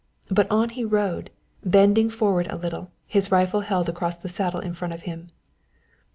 But on he rode, bending forward a little, his rifle held across the saddle in front of him.